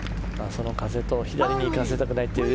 その風と左に行かせたくないという。